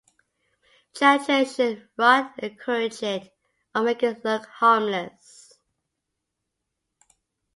Churches should rot encourage it or make it look harmless.